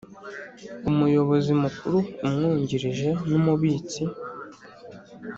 Umuyobozi mukuru umwungirije n umubitsi